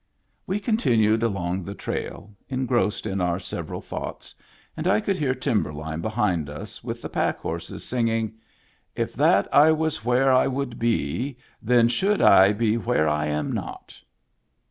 We continued along the trail, engrossed in our several thoughts, and I could hear Timberline, behind us with the pack horses, singing: —. If that I was where I would be. Then should I be where I am not.